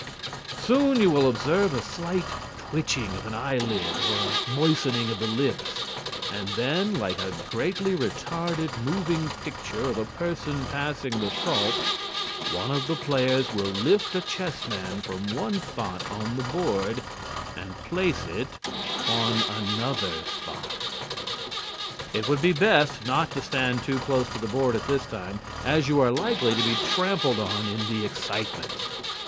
Soon you will observe a slight twitching of an eye lid or a moistening of the lips and then, like a greatly retarded moving picture of a person passing the salt, one of the players will lift a chess man from one spot on the board and place it on another spot. It would be best not to stand too close to the board at this time as you are are likely to be trampled on in the excitement.